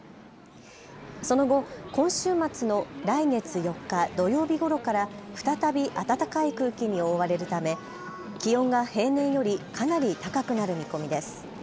その後、今週末の来月４日、土曜日ごろから再び暖かい空気に覆われるため気温が平年よりかなり高くなる見込みです。